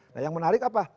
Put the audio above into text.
nah yang menarik apa